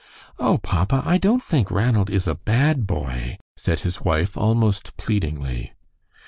"Oh, papa, I don't think Ranald is a BAD boy," said his wife, almost pleadingly.